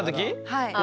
はい。